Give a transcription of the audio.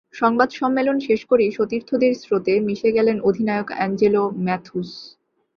সংবাদ সম্মেলন শেষ করেই সতীর্থদের স্রোতে মিশে গেলেন অধিনায়ক অ্যাঞ্জেলো ম্যাথুস।